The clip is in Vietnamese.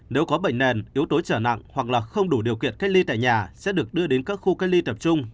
nếu có bệnh nền yếu tố trở nặng hoặc không đủ điều kiện cách ly tại nhà sẽ được đưa đến các khu cách ly tập trung